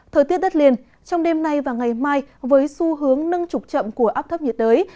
thời tiết đất liền trong đêm nay và ngày mai với xu hướng nâng trục chậm của áp thấp nhiệt đới